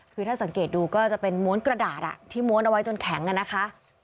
คือถ้าสังเกตดูก็จะเป็นม้วนกระดาษที่ม้วนเอาไว้จนแข็งนะคะ